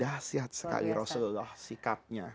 dahsyat sekali rasulullah sikapnya